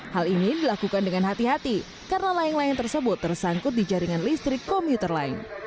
hal ini dilakukan dengan hati hati karena layang layang tersebut tersangkut di jaringan listrik komuter lain